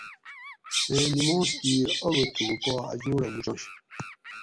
می نِماز کِیر آگہ تھوکو پا اۤ جوڑہ موچنش